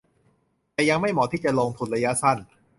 แต่ยังไม่เหมาะที่จะลงทุนระยะสั้น